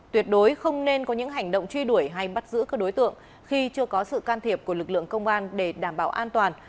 tuyệt đối không nên có những hành động truy đuổi hay bắt giữ các đối tượng khi chưa có sự can thiệp của lực lượng công an để đảm bảo an toàn